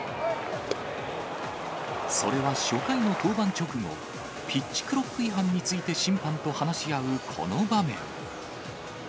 それは初回の登板直後、ピッチクロック違反について、審判と話し合うこの場面。